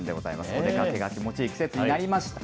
お出かけが気持ちいい季節になりました。